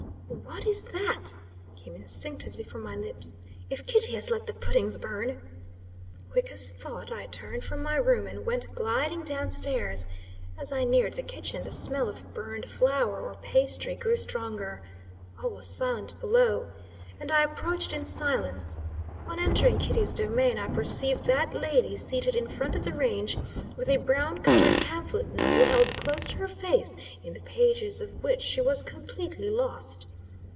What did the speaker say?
"What is that?" came instinctively from my lips. "If Kitty has let the puddings burn!" Quick as thought I turned from my room, and went gliding down stairs. As I neared the kitchen, the smell of burned flour, or pastry, grew stronger. All was silent below; and I approached in silence. On entering Kitty's domain, I perceived that lady seated in front of the range, with a brown covered pamphlet novel held close to her face, in the pages of which she was completely lost.